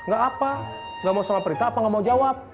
gak apa gak mau sama prita apa gak mau jawab